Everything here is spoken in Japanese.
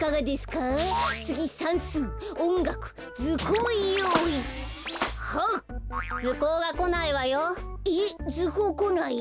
ずこうがこないわよ。